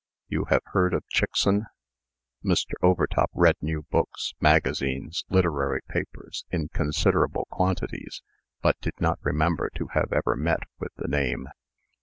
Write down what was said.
You have heard of Chickson?" Mr. Overtop read new books, magazines, literary papers, in considerable quantities, but did not remember to have ever met with the name.